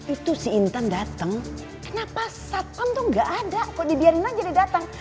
itu si intan dateng kenapa satpam tuh gak ada kok dibiarin aja dia dateng